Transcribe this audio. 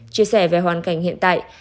chia sẻ về hoàn cảnh hiện tại